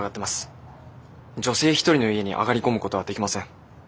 女性一人の家に上がり込むことはできません。